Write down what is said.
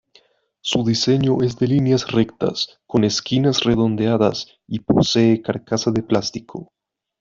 Su diseño es de líneas rectas con esquinas redondeadas y posee carcasa de plástico.